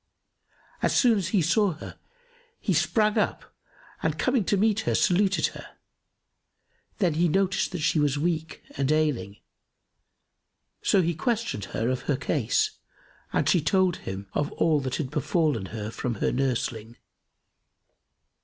As soon as he saw her, he sprang up and coming to meet her, saluted her; then he noticed that she was weak and ailing; so he questioned her of her case and she told him all that had befallen her from her nursling.